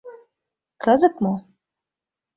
Кызыт мо?